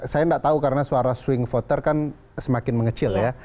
saya nggak tahu karena suara swing voter kan semakin mengecil ya